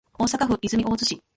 大阪府泉大津市